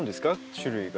種類が。